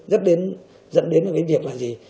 dẫn đến cái việc là gì